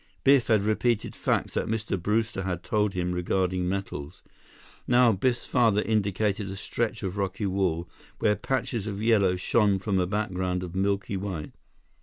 Biff had repeated facts that Mr. Brewster had told him regarding metals. Now, Biff's father indicated a stretch of rocky wall, where patches of yellow shone from a background of milky white.